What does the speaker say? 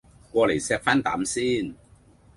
過黎錫返啖先